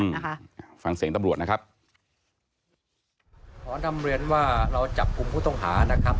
ขออนุญาตภัยฟังเสียงตำรวจนะครับ